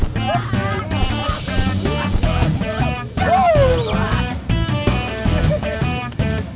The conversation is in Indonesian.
kalau datuk malah tombol mandi datuk